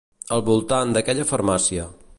Al voltant d'aquella farmàcia.